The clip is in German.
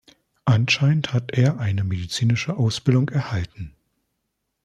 Anscheinend hat er eine medizinische Ausbildung erhalten.